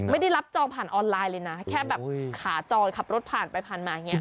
ไม่ได้รับจองผ่านออนไลน์เลยนะแค่แบบขาจรขับรถผ่านไปผ่านมาอย่างนี้